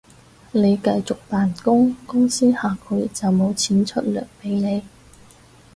你繼續扮工，公司下個月就無錢出糧畀你